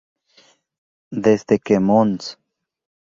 Desde que Mons.